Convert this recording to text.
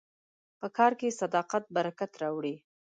په کار کې صداقت برکت راوړي.